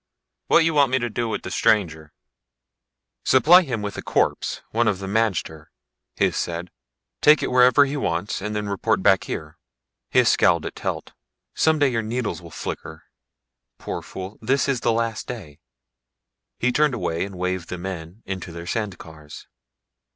What you want me to do with the stranger?" "Supply him with a corpse one of the magter," Hys said. "Take it wherever he wants and then report back here." Hys scowled at Telt. "Someday your needles will flicker! Poor fool this is the last day." He turned away and waved the men into their sand cars.